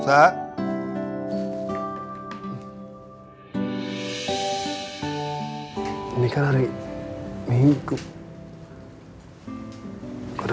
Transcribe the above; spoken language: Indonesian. untuk meng imperialisasi